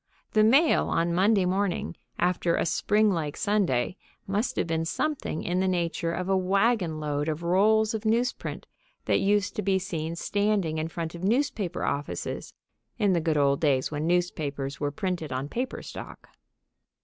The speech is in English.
The mail on Monday morning, after a springlike Sunday, must have been something in the nature of a wagon load of rolls of news print that used to be seen standing in front of newspaper offices in the good old days when newspapers were printed on paper stock.